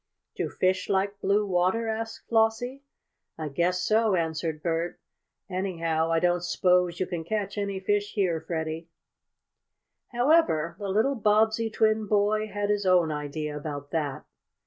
"Do fish like blue water?" asked Flossie. "I guess so," answered Bert. "Anyhow, I don't s'pose you can catch any fish here, Freddie." However, the little Bobbsey twin boy had his own idea about that.